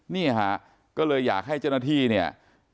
นี่ฮะก็เลยอยากให้เจ้าหน้าที่เนี่ย